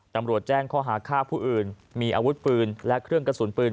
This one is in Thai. ตำรวจแจ้งข้อหาฆ่าผู้อื่นมีอาวุธปืนและเครื่องกระสุนปืน